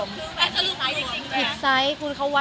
มีปิดฟงปิดไฟแล้วถือเค้กขึ้นมา